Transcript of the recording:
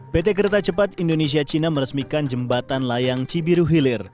pt kereta cepat indonesia cina meresmikan jembatan layang cibiruhilir